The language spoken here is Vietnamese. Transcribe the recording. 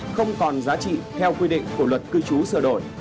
không còn giá trị theo quy định của luật cư trú sửa đổi